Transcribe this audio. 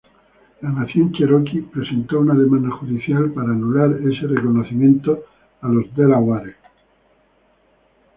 La Nación Cherokee presentó una demanda judicial para anular ese reconocimiento a los Delaware.